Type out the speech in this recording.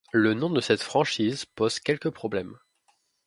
Le nom de cette franchise pose quelques problèmes.